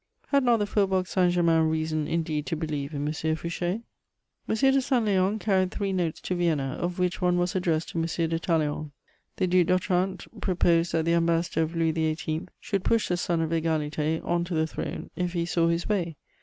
Had not the Faubourg Saint Germain reason indeed to believe in M. Fouché? M. de Saint Léon carried three notes to Vienna, of which one was addressed to M. de Talleyrand: the Duc d'Otrante proposed that the ambassador of Louis XVIII. should push the son of Égalité on to the throne, if he saw his way!